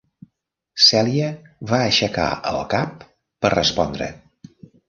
Celia va aixecar el cap per respondre.